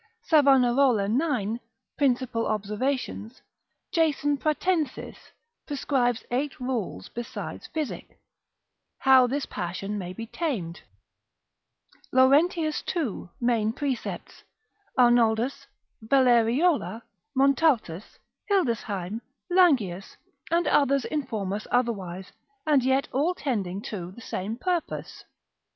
Savanarola 9. principal observations, Jason Pratensis prescribes eight rules besides physic, how this passion may be tamed, Laurentius 2. main precepts, Arnoldus, Valleriola, Montaltus, Hildesheim, Langius, and others inform us otherwise, and yet all tending to, the same purpose.